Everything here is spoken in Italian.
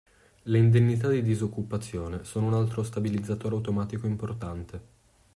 Le indennità di disoccupazione sono un altro stabilizzatore automatico importante.